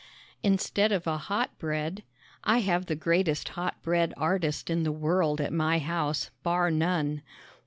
Instead of a hot bread I have the greatest hot bread artist in the world at my house, bar none!